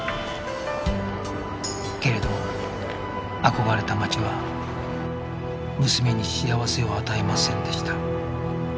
けれど憧れた街は娘に幸せを与えませんでした